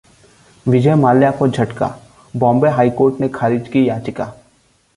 विजय माल्या को झटका, Bombay high court ने खारिज की याचिका